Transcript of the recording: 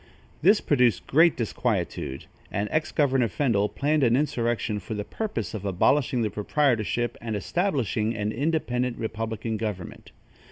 This produced great disquietude, and Ex Governor Fendall planned an insurrection for the purpose of abolishing the proprietorship and establishing an independent republican government.